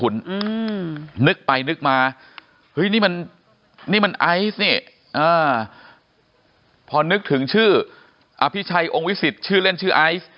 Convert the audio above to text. อืมนึกไปนึกมาเฮ้ยนี่มันนี่มันไอซ์นี่พอนึกถึงชื่ออภิชัยองค์วิสิตชื่อเล่นชื่อไอซ์